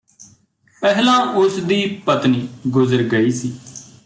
ਪਹਿਲਾਂ ਉਸ ਦੀ ਪਤਨੀ ਗੁਜ਼ਰ ਗਈ ਸੀ